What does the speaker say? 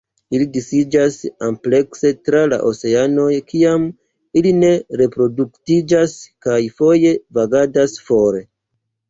Ili disiĝas amplekse tra la oceanoj kiam ili ne reproduktiĝas, kaj foje vagadas for.